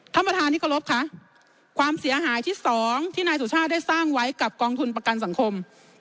ท่านประธานที่เคารพคะความเสียหายที่สองที่นายสุชาติได้สร้างไว้กับกองทุนประกันสังคม